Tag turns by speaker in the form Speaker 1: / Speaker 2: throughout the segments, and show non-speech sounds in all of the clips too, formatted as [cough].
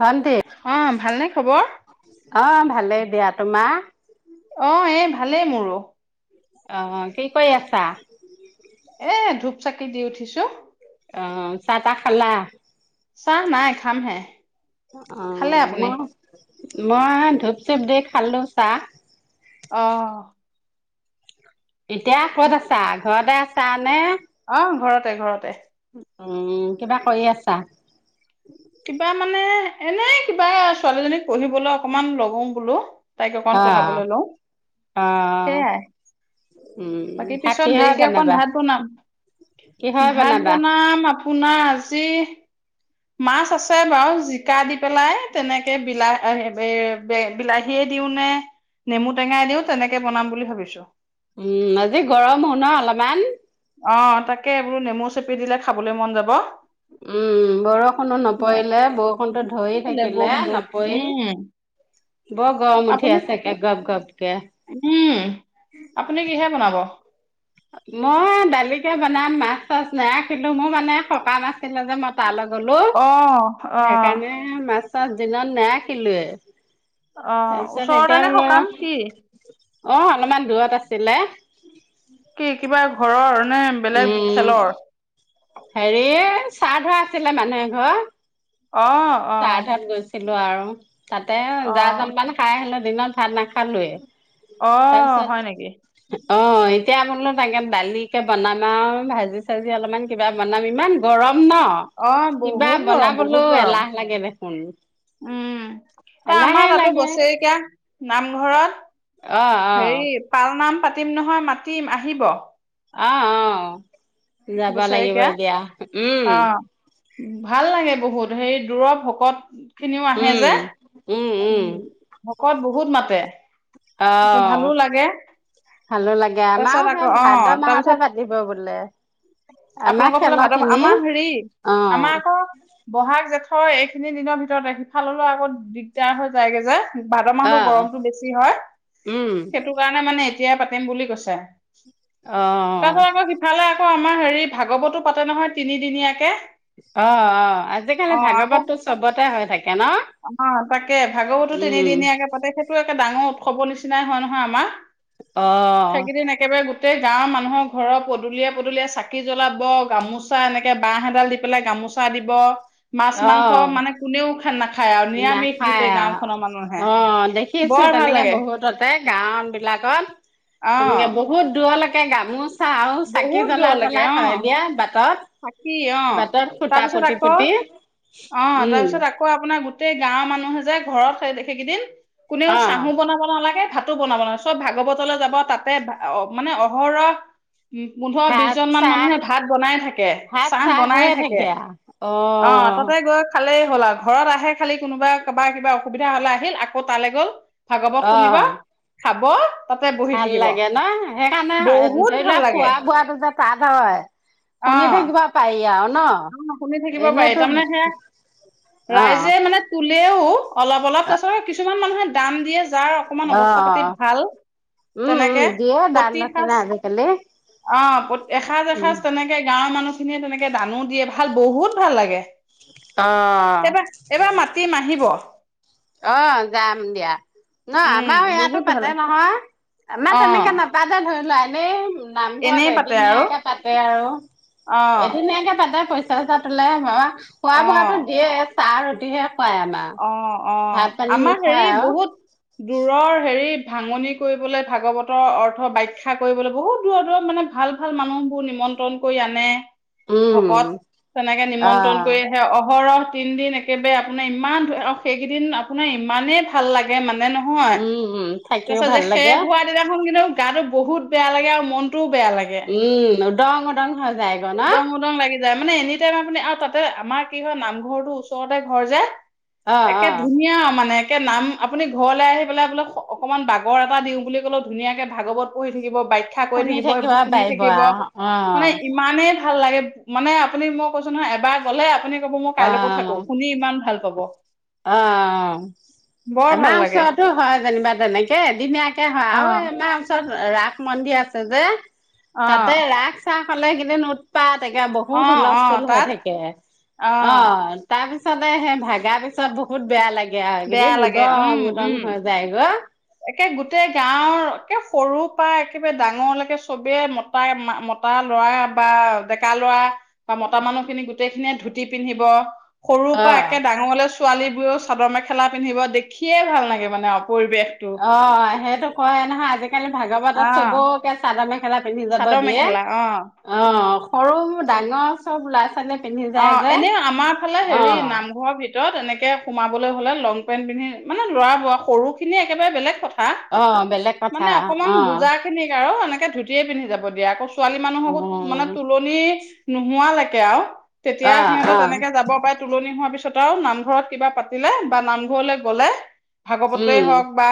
Speaker 1: ভণ্টি।
Speaker 2: অ ভালনে খবৰ
Speaker 1: অ ভালেই [unintelligible] তোমাৰ
Speaker 2: অ এ ভালেই মোৰো।
Speaker 1: অ কি কৰি আছা?
Speaker 2: এ ধূপ চাকি দি উঠিছো।
Speaker 1: অ চাহ তাহ খালা?
Speaker 2: চাহ নাই খামহে।
Speaker 1: অ
Speaker 2: খালে আপুনি?
Speaker 1: মই মই ধূপ চুপ দি খালো চাহ।
Speaker 2: অহ।
Speaker 1: এতিয়া ক'ত আছা? ঘৰতে আছা নে?
Speaker 2: অ' ঘৰতে ঘৰতে।
Speaker 1: উম কিবা কৰি আছা?
Speaker 2: কিবা মানে এনে কিবা ছোৱালীজনীক পঢ়িবলৈ অকমান [unintelligible] বোলো। তাইক অকমাণ
Speaker 1: অ
Speaker 2: পঢ়াবলৈ লওঁ।
Speaker 1: অ
Speaker 2: সেয়াই।
Speaker 1: উম
Speaker 2: বাকী
Speaker 1: ভাত
Speaker 2: পিছত
Speaker 1: কিহৰে
Speaker 2: দেৰিকে অকণ
Speaker 1: বনাবা
Speaker 2: ভাত বনাম।
Speaker 1: কিহৰে
Speaker 2: ভাত
Speaker 1: বনাবা
Speaker 2: বনাম আপোনাৰ আজি মাছ আছে বাৰু জিকা দি পেলাই তেনেকে বিলাহ- বিলাহীয়ে দিও নে নেমু টেঙাই দিও তেনেকে বনাম বুলি ভাবিছো।
Speaker 1: উম। আজি গৰমো ন অলপমান?
Speaker 2: অ তাকে বুলো নেমু চেপি দিলে খাবলৈ মন যাব।
Speaker 1: উম। বৰষুনো নপৰিলে বৰষুনটো ধৰি
Speaker 2: লে
Speaker 1: থাকিলে,
Speaker 2: বৰষুণটো।
Speaker 1: নপৰিল।
Speaker 2: উম
Speaker 1: বৰ গৰম
Speaker 2: আপুনি
Speaker 1: উঠি আছে একে গপ গপ
Speaker 2: উম। আপুনি কিহেৰে বনাব?
Speaker 1: মই দালিকে বনাম মাছ চাছ নাৰাখিলো। মোৰ মানে সকাম আছিলে যে মই তালৈ গলো,
Speaker 2: অ অ
Speaker 1: সেইকাৰণে মাছ চাছ দিনত নাৰাখিলোৱে।
Speaker 2: অ
Speaker 1: তাৰপিছত
Speaker 2: ওচৰতে
Speaker 1: এতিয়া
Speaker 2: নে
Speaker 1: বোলো
Speaker 2: সকাম কি?
Speaker 1: অ অলপমান দূৰত আছে। চিলে
Speaker 2: কি কিবা ঘৰৰ? নাই, বেলেগ খেলৰ।
Speaker 1: হেৰি। শ্ৰাদ্ধ আছিলে মানুহ এঘৰ।
Speaker 2: অহ অ'।
Speaker 1: ল আৰু। তাতে
Speaker 2: অ
Speaker 1: জা-জলপান খাই আহিলো। দিনত ভাত নাখালোৱে‌।
Speaker 2: অ' হয় নেকি?
Speaker 1: অ' এতিয়া বোলো তাকে দালি কে বনাম আৰু ভাজি-চাজি অলপমান কিবা বনাম ইমান গৰম
Speaker 2: অ
Speaker 1: ন' কিবা
Speaker 2: বহুত গৰম বহুত
Speaker 1: বনাবলৈও
Speaker 2: গৰম
Speaker 1: এলাহ। লাগে দেখোন
Speaker 2: উম এ
Speaker 1: লাহে
Speaker 2: আমাৰ তাতো
Speaker 1: লাহে
Speaker 2: বছেৰেকীয়া নামঘৰত
Speaker 1: অ অ
Speaker 2: হেৰি পালনাম। পাতিম নহয়, মাতিম আহিব।
Speaker 1: অহ অ'। যাবা লাগিব
Speaker 2: বছেৰেকীয়া
Speaker 1: এতিয়া উম'।
Speaker 2: অ ভাল লাগে বহুত হেৰি দূৰৰ ভকত। খিনিও আহে
Speaker 1: উম
Speaker 2: যে উম। ভকত বহুত মাতে। তাৰপিছত
Speaker 1: অ'
Speaker 2: ভালো লাগে
Speaker 1: ভালো লাগে
Speaker 2: তাৰপিছত
Speaker 1: আমাৰো
Speaker 2: আকৌ
Speaker 1: সেই
Speaker 2: অ
Speaker 1: ভাদ
Speaker 2: তাৰপিছত
Speaker 1: মাহতহে পাতিব বোলে। আমাৰ
Speaker 2: আপোনালোকৰ ফালে
Speaker 1: খেলৰ
Speaker 2: ভাদ
Speaker 1: খিনি
Speaker 2: আমাৰ হেৰি
Speaker 1: অ
Speaker 2: আমাৰ আকৌ ব'হাগ, জেঠ। থ' এইখিনি দিনৰ ভিতৰতে সিফাললেও আকৌ দিগদাৰ হৈ যায়গে যে। ভাদ
Speaker 1: অ
Speaker 2: মাহতো গৰমতটো বেছি হয়
Speaker 1: উম
Speaker 2: সেইটো কাৰণে মানে এতিয়া পাতিম বুলি কৈছে।
Speaker 1: অ
Speaker 2: তাৰপা আকৌ সিফালে। আকৌ আমাৰ হেৰি ভাগৱতো পাতে নহয় তিনিদিনীয়াকে।
Speaker 1: অ'-অ' আজিকালি
Speaker 2: অ আকৌ
Speaker 1: ভাগৱতটো চবতে হৈ থাকে। ন
Speaker 2: অ' তাকে ভাগৱতো
Speaker 1: উম
Speaker 2: তিনিদিনীয়াকে পাতে সেইটো একে ডাঙৰ উৎসৱৰ নিচিনা নিচিনাই হয় নহয় আমাৰ।
Speaker 1: অ
Speaker 2: সেইগিদিন একেবাৰে গো গোটেই গাঁৱৰ মানুহৰ ঘৰৰ পদূলিয়ে-পদূলিয়ে চাকি জ্বলাব গামোচা এনেকে বাঁহ এডাল দি পেলাই গামোচা দিব। মাছ,
Speaker 1: অ
Speaker 2: মাংস মানে কোনেও ধান্দা
Speaker 1: নাখায় আৰু অ' দেখিছো
Speaker 2: বৰ ভাল
Speaker 1: তেনেকে
Speaker 2: লাগে
Speaker 1: বহুততে গাঁও বিলাকত
Speaker 2: অ
Speaker 1: তেনেকে বহুত দূৰলৈকে কে গামোচ আও চাকি
Speaker 2: বহুত
Speaker 1: জ্বলাই-জ্বলাই থই দিয়ে বাটত।
Speaker 2: থাকি অ,
Speaker 1: বাটত খুটা
Speaker 2: তাৰপিছত
Speaker 1: পুতি
Speaker 2: আকৌ
Speaker 1: পুতি
Speaker 2: অ,
Speaker 1: উম
Speaker 2: তাৰপিছত আকৌ আপোনাৰ গো গোটেই গাঁৱৰ মানুহে যে, ঘৰত সেইকেইদিন কোনেওঁ
Speaker 1: অ
Speaker 2: চাহো বনাব নালাগে, ‌ ভাত তো বনাব নালাগে, চব ভাগৱতলৈ যাব তাতে মানে অহৰহ উম পোন্ধৰ বিশ
Speaker 1: ভাত
Speaker 2: জন মান
Speaker 1: চাহ
Speaker 2: মানুহে ভাত বনাই থাকে চাহ বনাই থাকে, অ, তাতে গৈ খালেই হ'ল আৰু ঘৰ ঘৰত আহে খালি কোনোবা কিবা কিবা অসুবিধা হলে আহিল, আকৌ তালৈ গ'ল। ভাগৱত
Speaker 1: অ
Speaker 2: শুনিব, খাব দিব
Speaker 1: ভাল লাগে ন, সেইকাৰণে
Speaker 2: বহুত
Speaker 1: ধৰি
Speaker 2: ভাল
Speaker 1: লোৱা
Speaker 2: লাগে
Speaker 1: খোৱা বোৱাটো যে তাত হয়
Speaker 2: অ
Speaker 1: শুনি থাকিব পাৰি। আৰু ন
Speaker 2: অ শুনি থাকিব পাৰি
Speaker 1: এনেইতো
Speaker 2: তাৰমানে সেয়া,
Speaker 1: অ
Speaker 2: ৰাইজে মানে তুলেও অলপ অলপ, তাৰপিছত কিছুমান মানুহে দাম দিয়ে যাৰ অকমান
Speaker 1: অ
Speaker 2: অৱস্থা পাতি ভাল
Speaker 1: উম উম
Speaker 2: তেনেকে
Speaker 1: দিয়ে দান
Speaker 2: প্ৰতি সাজ,
Speaker 1: দক্ষিণা আজিকালি
Speaker 2: অ, এসাজ
Speaker 1: উম
Speaker 2: এসাজ তেনেকে গাঁৱৰ মানুহ খিনিয়ে তেনেকে দানোঁ ভাল, বহুত ভাল লাগে।
Speaker 1: অ
Speaker 2: এইবাৰ, এইবাৰ মাতিম আহিব।
Speaker 1: অ যাম দিয়া, ন,
Speaker 2: উম
Speaker 1: আমাৰোঁ ইয়াতো
Speaker 2: বহুত ভাল
Speaker 1: পাতে
Speaker 2: লাগে।
Speaker 1: নহয়,
Speaker 2: অ
Speaker 1: আমাৰ তেনেকে নাপাটে ধৰি লোৱা, অঁ [unintelligible]
Speaker 2: এনেই
Speaker 1: নামঘৰত
Speaker 2: পাতে আৰু
Speaker 1: এদিনিয়াকে পাতে আৰু,
Speaker 2: অ
Speaker 1: এদিনীয়াকে পাতে পইচা পইচা চ‌ইচা তোলে খোৱা
Speaker 2: অ
Speaker 1: বোৱাতো দিয়ে চাহ ৰুটি হে। খোৱাই আমাক
Speaker 2: অ অ', আমাৰ হেৰি, বহুত দূৰৰ হেৰি ভাঙনি কৰিবলৈ ভাগৱতৰ অৰ্থ ব্যাখ্যা কৰিবলৈ বহুত দূৰৰ দূৰৰ মানে ভাল ভাল মানুহ বোৰ নিমন্ত্ৰণ কৰি আনে।
Speaker 1: উম
Speaker 2: ভকত, তেনেকে
Speaker 1: অ
Speaker 2: নিমন্ত্ৰণ কৰি আহে অহৰহ তিনিদিন একেবাৰে আপোনাৰ ইমান অ সেইকেইদিন আপোনাৰ ইমানেই ভাল লাগে মানে নহয় নহয়,
Speaker 1: উম উম
Speaker 2: তাৰ
Speaker 1: থাকিও
Speaker 2: পিছত
Speaker 1: ভাল
Speaker 2: শেষ
Speaker 1: লাগে
Speaker 2: হোৱা দিনাখন কিন্তু গাতো বহুত বেয়া লাগে আৰু মন
Speaker 1: উম ডং ডং যায় গ না
Speaker 2: উদং উদং লাগি মানে এনি টাইম আপুনি আৰু তাতে আমাৰ কি হয় নামঘৰটো ওচৰতে ঘৰ যে
Speaker 1: অ
Speaker 2: একে
Speaker 1: অ
Speaker 2: ধুনীয়া মানে একে নাম আপুনি ঘৰলৈ আহি পেলাই বোলে অকমান বাগৰ এটা দিও বুলি ক'লে ধুনীয়াকে ভাগৱত পঢ়ি থাকিব বাখ্যা কৰি
Speaker 1: শুনি
Speaker 2: থাকিব সেইবোৰ শুনি
Speaker 1: পাৰিব
Speaker 2: থাকিব
Speaker 1: আৰু অ
Speaker 2: মানে ইমানেই ভাল লাগে মানে আপুনি মই কৈছো নহয় এবাৰ গ'লে আপুনি কব মই
Speaker 1: অ
Speaker 2: কাইলৈৰ কথা কওঁ শুনি ইমান ভাল পাব
Speaker 1: অ
Speaker 2: বৰ ভাল
Speaker 1: এমাহ
Speaker 2: লাগে
Speaker 1: ওচৰতো হয় যেনিবা যেনেকে এদিনিয়াকে হয়
Speaker 2: অ
Speaker 1: আৰু এমাহ ওচৰত ৰাস মন্দিৰ আছে যে।
Speaker 2: অ
Speaker 1: তাতে ৰাখ চা- ফালে সেইকেইদিন উৎপাত তাকে
Speaker 2: অ
Speaker 1: বহুত
Speaker 2: অ
Speaker 1: হুলস্তুল হৈ
Speaker 2: তাত
Speaker 1: থাকে অ তাৰপিছত পিছতে সে ভাগা পিছত বহুত বেয়া লাগে
Speaker 2: বেয়া
Speaker 1: এইকেইদিন
Speaker 2: লাগে উম
Speaker 1: উদং উদং
Speaker 2: উম
Speaker 1: হৈ যায়গ
Speaker 2: একে গোটেই গাঁৱৰ একে সৰু পৰা একেবাৰে ডাঙৰলৈকে চবে মতা মতা লৰা বা ডেকা লৰা বা মতা মানুহখিনি গোটেইখিনিয়ে ধুতি পিন্ধিব সৰুৰ
Speaker 1: অ
Speaker 2: পৰা একে ডাঙৰলে ছোৱালীবোৰেও চাদৰ মেখেলা পিন্ধিব দেখিয়ে ভাল লাগে মানে অ পৰিৱেশ।
Speaker 1: অ সেইটো কয়ে নহয় আজিকালি ভাগৱতত
Speaker 2: অ
Speaker 1: চবকে চাদৰমে মেখেলা পিন্ধি যাব
Speaker 2: চাদৰ
Speaker 1: দিয়ে
Speaker 2: মেখেলা
Speaker 1: অ সৰু ডাঙৰ চব ওলাই ফালে
Speaker 2: অ এনে আমাৰ ফালে হেৰি নামঘৰৰ ভিতৰত এনেকে সোমাব হলে লং পেণ্ট পিন্ধি মানে ল'ৰা বা সৰুখিনি একেবাৰে বেলেগ
Speaker 1: আহ বেলেগ কথা
Speaker 2: মানে অকমান
Speaker 1: আহ।
Speaker 2: বুজা খিনিক আৰু এনেকে ধুতিয়ে পিন্ধিয়ে যাব দিয়ে আকৌ ছোৱালী মানুহকো
Speaker 1: উম
Speaker 2: মানে তোলনিৰ নোহোৱালৈকে আৰু
Speaker 1: অ
Speaker 2: তেতিয়া সিহতে
Speaker 1: অ
Speaker 2: তেনেকে যাব পাৰে তুলনি হোৱাৰ পিছত তইও নামঘৰত কিবা পাতিলে বা নামঘৰলে গ'লে ভাগৱতেই
Speaker 1: উম
Speaker 2: হওক বা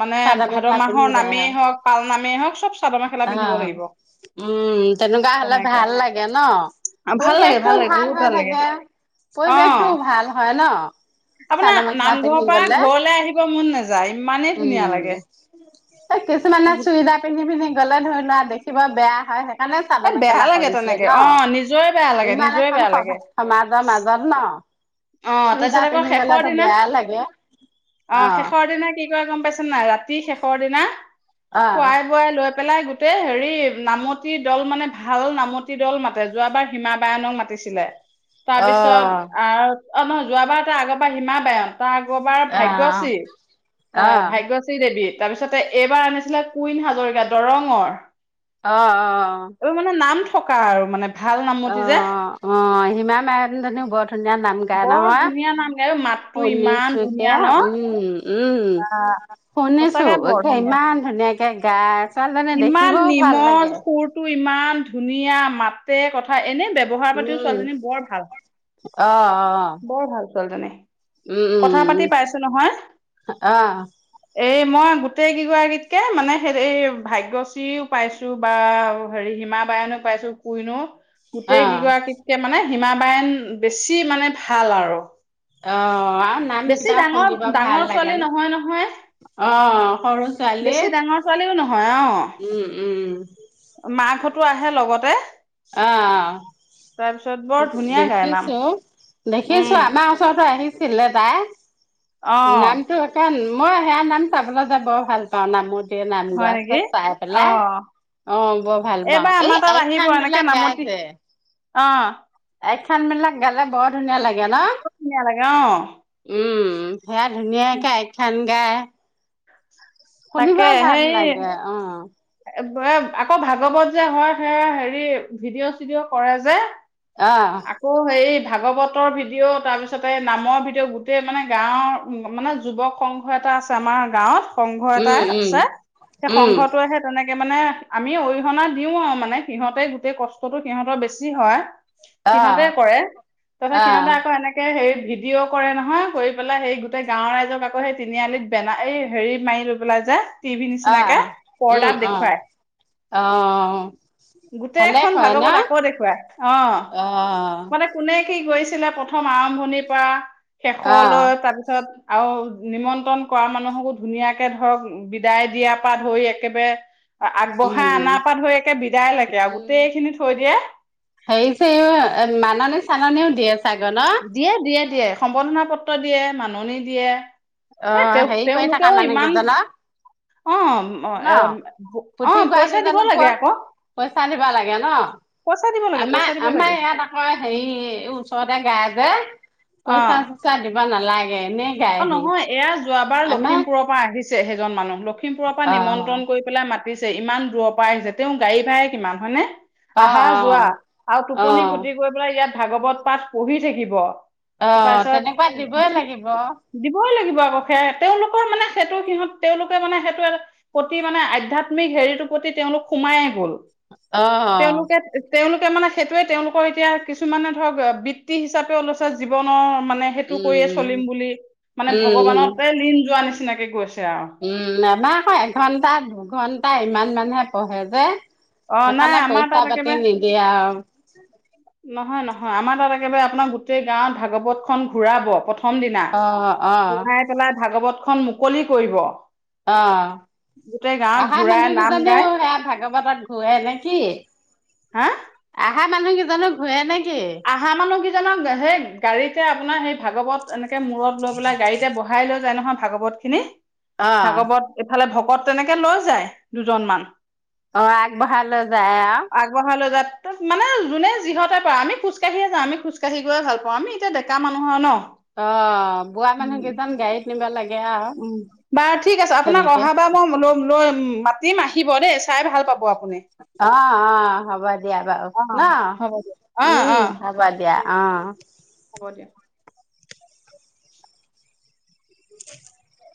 Speaker 2: মানে
Speaker 1: চাদৰ
Speaker 2: ভাদ
Speaker 1: মেখেলা
Speaker 2: মাহৰ
Speaker 1: পিন্ধি যায়
Speaker 2: নামেই হওক পাল নামেই হওক চব চাদৰ মেখেলা
Speaker 1: অ
Speaker 2: পিন্ধিব লাগিব
Speaker 1: উম তেনেকুৱা হলে ভাল লাগে ন
Speaker 2: ভাল
Speaker 1: পৰিৱেশ
Speaker 2: লাগে লাগে
Speaker 1: ভাল
Speaker 2: বহুত লাগে
Speaker 1: থাকে
Speaker 2: অ
Speaker 1: পৰিৱেশটো ভাল হয় ন
Speaker 2: আপোনাৰ
Speaker 1: চাদৰ মেখেলা
Speaker 2: নামঘৰৰ
Speaker 1: পিন্ধি
Speaker 2: পৰা
Speaker 1: গলে
Speaker 2: ঘৰলে আহিব মন নাযায় ইমানেই ধুনীয়া
Speaker 1: উম
Speaker 2: লাগে।
Speaker 1: কিছুমানে চুৰিদা পিন্ধিব সেইফালে ধৰি লোৱা দেখিব বেয়া হয়। সেইকাৰণে
Speaker 2: এ
Speaker 1: চাদৰ
Speaker 2: বেয়া
Speaker 1: মেখেলা
Speaker 2: লাগে
Speaker 1: কৰিছে
Speaker 2: তেনেকে
Speaker 1: ন
Speaker 2: অ নিজৰে বেয়া লাগে
Speaker 1: ইমান
Speaker 2: নিজৰে
Speaker 1: এখন
Speaker 2: বেয়া লাগে
Speaker 1: সমাজৰ মাজত ন।
Speaker 2: অ তাৰ
Speaker 1: চুইদাৰ
Speaker 2: পিছত আকৌ
Speaker 1: পিন্ধি
Speaker 2: শেষৰ
Speaker 1: গলেতো
Speaker 2: দিনা
Speaker 1: বেয়া লাগে
Speaker 2: অ শেষৰ দিনা কি কয় গম পাইছে? নাই ৰাতি শেষৰ দিনা
Speaker 1: অ
Speaker 2: খোৱাই বোৱাই লৈ পেলাই গোটেই হেৰি নামতি দল মানে ভাল নামতি দল মাতে যোৱাবাৰ হিমা বায়নক মাতিছিলে। তাৰ
Speaker 1: অ
Speaker 2: পিছত আৰব অ মই যোৱাবাৰতে আগৰবাৰ হিমা বায়ন। টা আগৰবাৰ
Speaker 1: অ
Speaker 2: ভাগ্যশ্ৰী অ ভাগ্যশ্ৰী দেৱী। তাৰপিছতে এইবাৰ আনিছিলে কুইন হাজৰিকা দৰঙৰ।
Speaker 1: অ অ
Speaker 2: এইবোৰ মানে নাম থকা আৰু মানে ভাল
Speaker 1: অ
Speaker 2: নামতি যে
Speaker 1: অ হিমা মায়ন ধনীও বৰ ধুনীয়া নাম। গাই
Speaker 2: বৰ
Speaker 1: নহয়।
Speaker 2: ধুনীয়া নাম গাই মাতটো ইমান
Speaker 1: শুনিছোকে
Speaker 2: ধুনীয়া ন।
Speaker 1: উম উম শুনিছো
Speaker 2: সঁচাকে
Speaker 1: এ
Speaker 2: বৰ ধুনীয়া
Speaker 1: ইমান ধুনীয়া হে গাইছ।
Speaker 2: ইমান নিৰ্মল সুৰটো ইমান। ধুনীয়া মাতে কথাই। এনে ব্যৱহাৰ পাতিও
Speaker 1: উম
Speaker 2: ছোৱালীজনী বৰ ভাল।
Speaker 1: অ অ
Speaker 2: বৰ ভাল ছোৱালীজনী
Speaker 1: উম উম
Speaker 2: কথা পাতি
Speaker 1: উম
Speaker 2: পাইছো নহয়।
Speaker 1: অ
Speaker 2: এই মই গোটেইকেইগৰাকীতকে মানে সে এই। ভাগ্যশ্ৰীও পাইছো বা হেৰি হিমা বায়নো পাইছো কুইনো।
Speaker 1: অ
Speaker 2: গোটেই কেইগৰাকীতকে মানে হিমাবায়ন বেছি মানে ভাল আৰু
Speaker 1: অ অ নাম
Speaker 2: বেছি
Speaker 1: কেইটা
Speaker 2: ডাঙৰ
Speaker 1: শুনিব ভাল
Speaker 2: ডাঙৰ
Speaker 1: লাগে
Speaker 2: ছোৱালী
Speaker 1: ন।
Speaker 2: নহয় নহয়
Speaker 1: অ সৰু ছোৱালী
Speaker 2: বেছি ডাঙৰ ছোৱালীও নহয় অ
Speaker 1: উম উম।
Speaker 2: টো আহে লগতে তাৰপিছত বৰ
Speaker 1: আহ-
Speaker 2: ধুনীয়া গাই নাম
Speaker 1: দেখিছো দেখিছো
Speaker 2: উম
Speaker 1: আমাৰ ওচৰত আহিছিলে তাই
Speaker 2: অ
Speaker 1: নামটো এটান মই সেয়া নাম চাবলে যাব ভাল পাওঁ নামত নাম
Speaker 2: হয়
Speaker 1: গোৱা
Speaker 2: নেকি
Speaker 1: চাই
Speaker 2: অ
Speaker 1: পেলাই অহ বৰ ভাল পাওঁ এই আইখান মত
Speaker 2: চে নামতি অহ।
Speaker 1: এইখন মানে বেলেগ বৰুত ধুনীয়া লাগে ন
Speaker 2: বৰ ধুনীয়া অ
Speaker 1: উম। সেয়া ধুনীয়াকে আখ্যান সেইয়া
Speaker 2: তাকে
Speaker 1: শুনিবয়ে ভাল
Speaker 2: সেই
Speaker 1: লাগে অ
Speaker 2: আকৌ ভাগৱত যে হয় সে হেৰি ভিডিঅ চিডিঅ' কৰে যে।
Speaker 1: অ
Speaker 2: আকৌ সেই ভাগৱতৰ ভিডিঅ' তাৰপিছত এই নামৰ ভিডিঅ' গোটেই মানে গাঁৱৰ মানে যুৱক সংঘ এটা আছে আমাৰ গাঁৱত সংঘ তাই আছে
Speaker 1: উম
Speaker 2: সেই
Speaker 1: উম উম
Speaker 2: সংঘটোৱেহে তেনেকে নে মানে আমি অৰিহণা দিও আৰু মানে সিহঁতে গোটেই কষ্টতটো সিহঁতৰ বেছি হয়।
Speaker 1: আহ
Speaker 2: সিহঁতে কৰে তাতে
Speaker 1: আহ
Speaker 2: সিহঁতে আকৌ এনেকে হেৰি ভিডিঅ' কৰে নহয় গৈ পেলাই সেই গোটে গাঁওৰ ৰাইজক আকৌ সেই তিনিআলিত বেন এই হেৰি মাৰি ল ওলাই যায় টিভিত নিচিনাকে
Speaker 1: আহ উম
Speaker 2: পৰ্দাত
Speaker 1: অ
Speaker 2: দেখুৱায়
Speaker 1: অ ভালে
Speaker 2: গোটেইখন
Speaker 1: কয় ন
Speaker 2: ভাগৱত আকৌ দেখুৱায় অ মানে কোনে কি কৰিছে। কৰিছিলে প্ৰথম আৰম্ভণিৰ পৰা
Speaker 1: অ
Speaker 2: শেষলৈ তাৰপিছত আৰু নিমন্ত্ৰণ কৰা মানুহকো ধুনীয়াকে এই ধৰক বিদায় দিয়াৰ পৰা ধৰি একেবাৰে
Speaker 1: উম
Speaker 2: আগবঢ়াই অনাৰ পৰা ধৰি একে বিদায় লৈকে আৰু
Speaker 1: উম
Speaker 2: গোটেইখিনি থৈ দিয়ে
Speaker 1: সেই যে মাননি চাননিও দিয়ে। চাগে ন
Speaker 2: দিয়ে দিয়ে দিয়ে সম্বৰ্ধনা পত্ৰ দিয়ে মাননি দিয়ে
Speaker 1: অ
Speaker 2: এ তেওঁ
Speaker 1: হেৰি কৰি থকা
Speaker 2: তেওঁলোকেও
Speaker 1: মানুহ
Speaker 2: ইমান
Speaker 1: কেইজনক
Speaker 2: অ
Speaker 1: ন
Speaker 2: অ
Speaker 1: পুথিভৰা
Speaker 2: পইচা দিব লাগে
Speaker 1: কেইজনকো
Speaker 2: আকৌ
Speaker 1: পইচা দিব লাগে ন
Speaker 2: পইচা দিব লাগে
Speaker 1: আমাৰ
Speaker 2: পইচা দিব লাগে
Speaker 1: আমাৰ ইয়াত আকৌ হেৰি ওচৰতে গাই যে পইচা
Speaker 2: অ
Speaker 1: চইচা দিব নালাগে এনে গাই
Speaker 2: অ
Speaker 1: সি
Speaker 2: নহয় এয়া যোৱাবাৰ লখিমপুৰৰ পৰা আহিছে সেইজন মানুহ লখিমপুৰৰ পৰা
Speaker 1: অ'
Speaker 2: নিমন্ত্ৰণ কৰি পেলাই মাত পিছে ইমান দূৰৰ পৰা আহিছে তেওঁ গাড়ী ভাড়ায়ে কিমান হয়নে।
Speaker 1: অ'
Speaker 2: আহা যোৱা
Speaker 1: অ'
Speaker 2: আৰু টোপনি
Speaker 1: অ'
Speaker 2: ক্ষতি কৰি পেলাই ইয়াত ভাগৱত পাঠ পঢ়ি থাকিব।
Speaker 1: অ
Speaker 2: তাৰপিছত
Speaker 1: তেনেকুৱা দিবই লাগিব।
Speaker 2: দিবই লাগিব আকৌ সে তেওঁলোকৰ মানে সেইটো সিহঁত তেওঁলোকে মানে সেইটো প্ৰতি মানে আধ্যয়াত্মিক হেৰিটোৰ প্ৰতি তেওঁলোক সোমায়েই গ'ল
Speaker 1: অ অ।
Speaker 2: তেওঁলোকে তেওঁলোকে সেইটোৱে তেওঁলোকৰ এতিয়া কিছুমানে ধৰক বৃত্তি হিচাপে ওলাইছে জীৱনৰ মানে সেইটো
Speaker 1: উম
Speaker 2: কৰিয়ে
Speaker 1: উম
Speaker 2: চলিম বুলি মানে
Speaker 1: উম উম
Speaker 2: ভগৱানতে লীন। যোৱা নিচিনাকে গৈছে। আৰু
Speaker 1: উম আমাৰ আকৌ এঘণ্টা দুঘণ্। তা ইমান মানহে পঢ়ে যে।
Speaker 2: অ নাই
Speaker 1: সেইকাৰণে
Speaker 2: আমাৰ তাত
Speaker 1: পইচা পাতি
Speaker 2: একেবাৰে
Speaker 1: নিদিয়ে আৰু। [inaudible]
Speaker 2: নহয় নহয় আমাৰ তাত একেবাৰে আপোনাৰ গোটেই গাঁৱত ভাগৱত খন ঘুৰাব প্ৰথ প্ৰথম দিনা
Speaker 1: অ', অ',
Speaker 2: [unintelligible] পেলাই ভাগৱত খন মু মুকলি কৰিব।
Speaker 1: অ
Speaker 2: গোটেই গাঁৱত
Speaker 1: আহা
Speaker 2: ঘূৰাই
Speaker 1: মানুহ
Speaker 2: নাম
Speaker 1: কেইজনেও
Speaker 2: গাই
Speaker 1: সেয়া ভাগৱতত ঘূৰে নেকি
Speaker 2: হা
Speaker 1: আহা মানুহ কেইজনো ঘুৰে নে
Speaker 2: আহা মানুহ কি জনক সেই গাড়ীতে আপোনাৰ সেই ভাগৱত এনে মূৰত লৈ পেলাই গাড়ীতে বহাই লৈ যাই নহয় ভাগৱত খিনি।
Speaker 1: অ',
Speaker 2: ভাগৱত এইফালে ভক্ কত তেনেকে লৈ যায় দুজন মান।
Speaker 1: অ আগবঢ়ালৈ যায় আৰু
Speaker 2: আগবঢ়াই লৈ যায় মানে যোনে যিহঁতে পাই আমি খোজ কাঢ়িয়ে যাওঁ আমি খোজকাহি গৈয়ে ভাল পাওঁ আমি এতিয়া ডেকা মানুহ হয় ন।
Speaker 1: অ বোৱা মানুহ কেইজন গাড়ীত নিব লাগে আৰু
Speaker 2: উম বাৰু ঠিক আছে আপোনাক
Speaker 1: তেনেকে
Speaker 2: অহাবাৰ মই লৈ [unintelligible] মাতিম আহিব দেই চাই ভাল পাব। আপুনি
Speaker 1: অ অ হ'ব দিয়া বাৰু
Speaker 2: অ
Speaker 1: ন
Speaker 2: হ'ব দিয়ক অ
Speaker 1: উম
Speaker 2: অ
Speaker 1: হ'ব দিয়া অ
Speaker 2: হব দিয়া
Speaker 1: [inaudible]